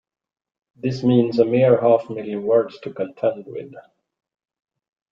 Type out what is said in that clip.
This means a mere half million words to contend with!